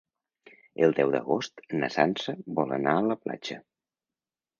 El deu d'agost na Sança vol anar a la platja.